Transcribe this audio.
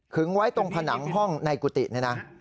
ไว้ตรงผนังห้องในกุฏินี่นะ